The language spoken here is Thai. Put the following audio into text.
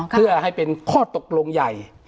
เพื่อให้เป็นข้อตกลงใหญ่